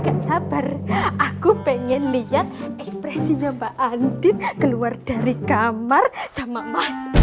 gak sabar aku pengen lihat ekspresinya mbak andi keluar dari kamar sama mas